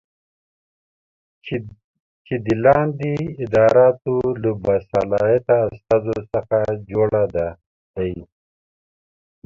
چې د لاندې اداراتو له باصلاحیته استازو څخه جوړه دی